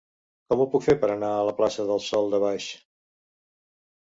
Com ho puc fer per anar a la plaça del Sòl de Baix?